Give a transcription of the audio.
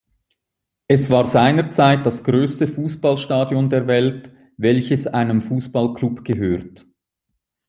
Es war seinerzeit das größte Fußballstadion der Welt, welches einem Fußballklub gehört.